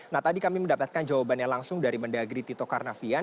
nah tadi kami mendapatkan jawabannya langsung dari mendagri tito karnavian